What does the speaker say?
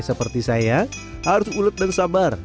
seperti saya harus ulet dan sabar